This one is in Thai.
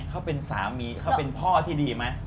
เขาเป็นสามีเขาเป็นพ่อที่ดีไหม